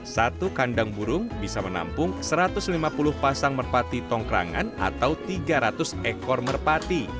satu kandang burung bisa menampung satu ratus lima puluh pasang merpati tongkrangan atau tiga ratus ekor merpati